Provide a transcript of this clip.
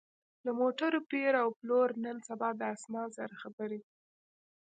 د موټرو پېر او پلور نن سبا د اسمان سره خبرې کوي